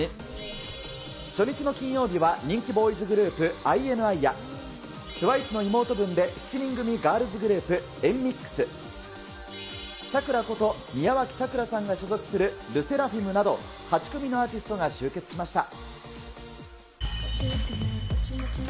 初日の金曜日は、人気ボーイズグループ、ＩＮＩやＴＷＩＣＥの妹分で７人組ガールズグループ、エンミックス、ＳＡＫＵＲＡこと宮脇咲良さんが所属するＬＥＳＳＥＲＡＦＩＭなど、８組のアーティストが集結しました。